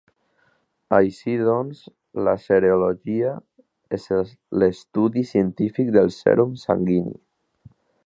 Així doncs la Serologia és l'estudi científic de sèrum sanguini.